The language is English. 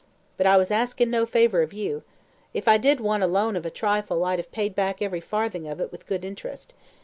But I was asking no favour of you. If I did want a loan of a trifle, I'd have paid back every farthing of it with good interest.